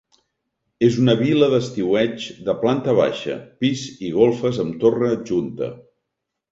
És una vil·la d'estiueig de planta baixa, pis i golfes amb torre adjunta.